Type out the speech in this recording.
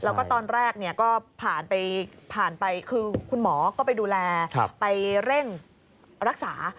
แล้วก็ตอนแรกก็ผ่านไปผ่านไปคือคุณหมอก็ไปดูแลไปเร่งรักษา